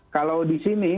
kalau di sini